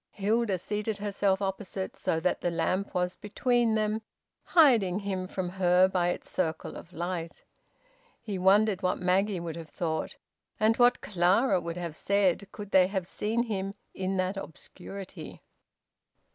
Hilda seated herself opposite, so that the lamp was between them, hiding him from her by its circle of light. He wondered what Maggie would have thought, and what Clara would have said, could they have seen him in that obscurity.